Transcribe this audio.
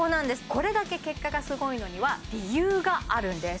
これだけ結果がすごいのには理由があるんです